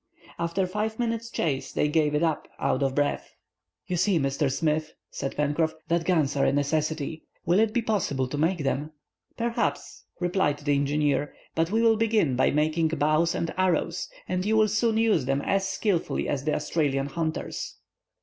After five minutes' chase, they gave it up, out of breath. "You see, Mr. Smith," said Pencroff, "that guns are a necessity. Will it be possible to make them?" "Perhaps," replied the engineer; "but we will begin by making bows and arrows, and you will soon use them as skilfully as the Australian hunters."